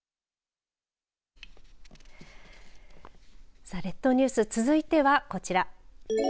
さあ、列島ニュース続いてはこちら。